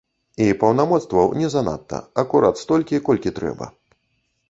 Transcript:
І паўнамоцтваў не занадта, акурат столькі, колькі трэба.